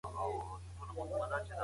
هغه برخي چې مولدي دي پانګي ته اړتیا لري.